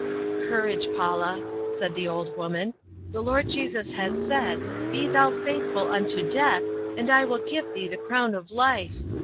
"Courage, Paula," said the old woman, "the Lord Jesus has said, 'Be thou faithful unto death, and I will give thee the crown of life!'